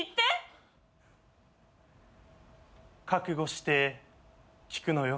覚悟して聞くのよ。